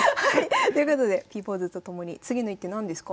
ということでＰポーズと共に次の一手何ですか？